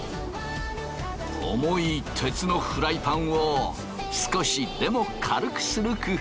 重い鉄のフライパンを少しでも軽くする工夫だ。